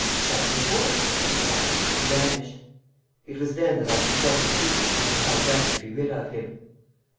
"Shove the fourth!" he cried, and vanished. It was then that I consulted Peters as to how best to be rid of him.